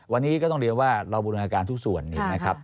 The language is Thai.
วันนี้ก็ต้องเรียกว่าเราบูรณาการทุกส่วนนะครับ